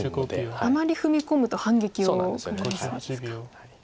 あまり踏み込むと反撃を食らいそうですか。